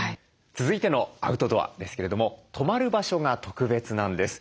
続いてのアウトドアですけれども泊まる場所が特別なんです。